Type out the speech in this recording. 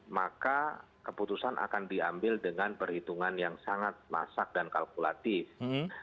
maka keputusan akan diambil dengan perhitungan yang sangat masak dan kalkulatif